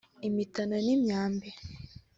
imitana n’imyambi